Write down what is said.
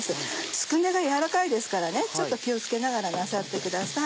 つくねがやわらかいですからちょっと気を付けながらなさってください。